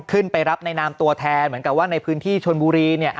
ไปรับในนามตัวแทนเหมือนกับว่าในพื้นที่ชนบุรี